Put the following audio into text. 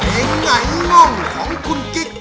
เอ็งไหนง่องของคุณกริ๊ก